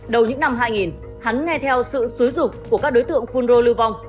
đầu những năm hai nghìn hắn nghe theo sự xúi rục của các đối tượng phun rô lưu vong